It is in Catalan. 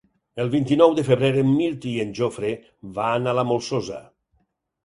El vint-i-nou de febrer en Mirt i en Jofre van a la Molsosa.